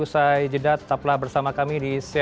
usai jeda tetaplah bersama kami di